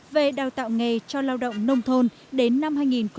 về đào tạo nghề cho lao động nông thôn đến năm hai nghìn hai mươi